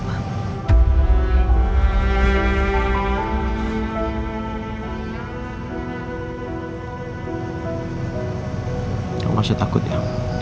kamu masih takut ya